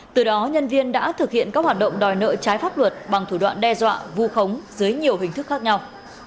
từ đó nhân viên đã thực hiện các hoạt động đòi nợ trái pháp luật bằng thủ đoạn đe dọa vu khống dưới nhiều hình thức khác nhau